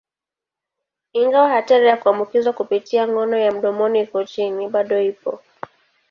Ingawa hatari ya kuambukizwa kupitia ngono ya mdomoni iko chini, bado ipo.